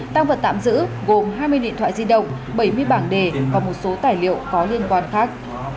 tăng vật tạm giữ gồm hai mươi điện thoại di động bảy mươi bảng đề và một số tài liệu có liên quan khác